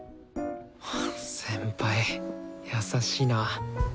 先輩優しいな。